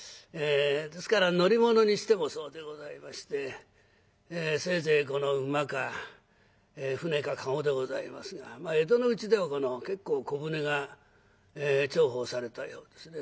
ですから乗り物にしてもそうでございましてせいぜいこの馬か舟か駕籠でございますが江戸のうちではこの結構小舟が重宝されたようですね。